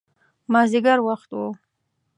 مازدیګر وخت و.